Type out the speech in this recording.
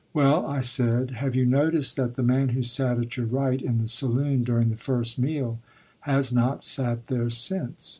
"Well," I said, "have you noticed that the man who sat at your right in the saloon during the first meal has not sat there since?"